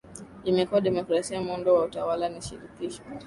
imekuwa demokrasia Muundo wa utawala ni shirikisho